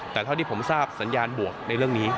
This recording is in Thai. แต่เท่าที่ผมทราบสัญญาณบวกในเรื่องนี้